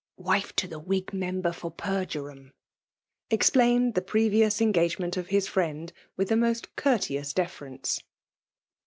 291 " wife to the Whig member for Perjureham/' explained the previous engagement of his friend with the most courteous deference.